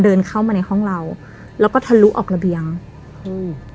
เดินเข้ามาในห้องเราแล้วก็ทะลุออกระเบียงอืม